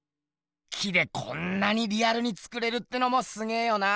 木でこんなにリアルに作れるってのもすげぇよな。